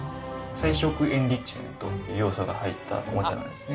採食エンリッチメントっていう要素が入ったおもちゃなんですね。